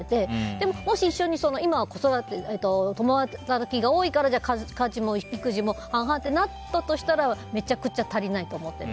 でももし一緒に共働きが多いから家事も育児も半々ってなったとしたらめちゃくちゃ足りないと思ってる。